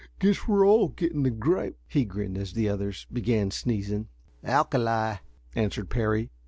Guess we're all getting the grippe," he grinned, as the others began sneezing. "Alkali," answered Parry.